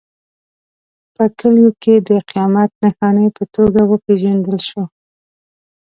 په کلیو کې د قیامت نښانې په توګه وپېژندل شو.